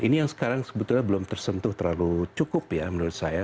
ini yang sekarang sebetulnya belum tersentuh terlalu cukup ya menurut saya